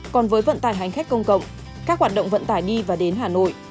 còn với vận tải hành khách công cộng các hoạt động vận tải đi và đến hà nội